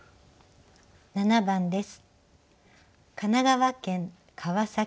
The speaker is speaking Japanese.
７番です。